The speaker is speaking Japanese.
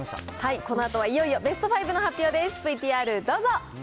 このあとはいよいよベスト５の発表です。